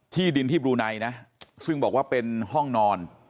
ที่ดินที่บลูไนนะซึ่งบอกว่าเป็นห้องนอน